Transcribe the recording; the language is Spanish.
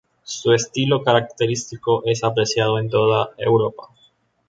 Su estilo característico es apreciado en toda Europa.